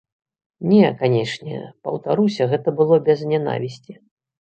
Не, канечне, паўтаруся гэта было без нянавісці.